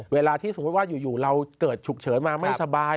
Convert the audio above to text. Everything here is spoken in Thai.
เวลาที่สมมุติว่าอยู่เราเกิดฉุกเฉินมาไม่สบาย